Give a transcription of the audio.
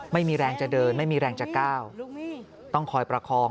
ไม่มีแรงจะเดินไม่มีแรงจะก้าวต้องคอยประคอง